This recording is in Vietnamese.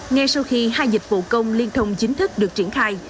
ngay sau khi hai dịch vụ công liên thông chính thức được triển khai